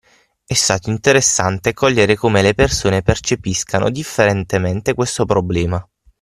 E’ stato interessante cogliere come le persone percepiscano differentemente questo problema.